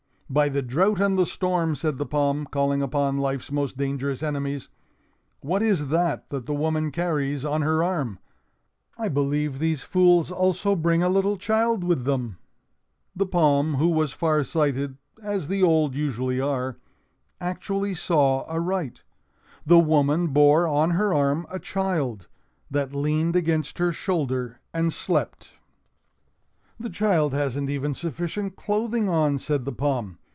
"By the drought and the storm!" said the palm, calling upon Life's most dangerous enemies. "What is that that the woman carries on her arm? I believe these fools also bring a little child with them!" The palm, who was far sighted—as the old usually are,—actually saw aright. The woman bore on her arm a child, that leaned against her shoulder and slept. "The child hasn't even sufficient clothing on," said the palm.